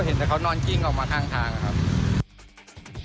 ก็เห็นว่าเขานอนจริงออกมาข้างครับ